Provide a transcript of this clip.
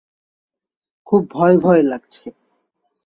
খুব ভয় ভয় লাগছে।